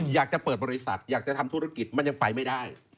อยากจะเปิดบริษัทอยากจะทำธุรกิจมันยังไปไม่ได้